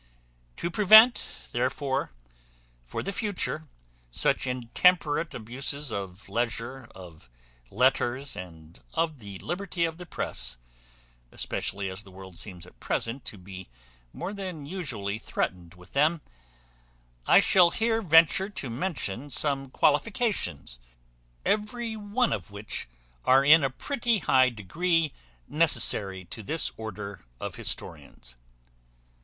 To prevent therefore, for the future, such intemperate abuses of leisure, of letters, and of the liberty of the press, especially as the world seems at present to be more than usually threatened with them, I shall here venture to mention some qualifications, every one of which are in a pretty high degree necessary to this order of historians.